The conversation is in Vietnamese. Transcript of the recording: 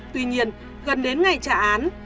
tuy nhiên gần đến ngày trả án